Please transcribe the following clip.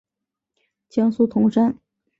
江苏铜山。